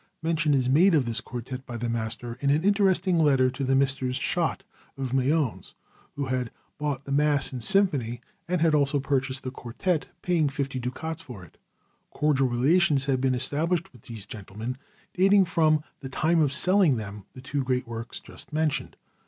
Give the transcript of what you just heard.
Mention is made of this quartet by the master in an interesting letter to Messrs. Schott of Mayence, who had bought the mass and symphony, and had also purchased the quartet, paying fifty ducats for it. Cordial relations had been established with these gentlemen, dating from the time of selling them the two great works just mentioned.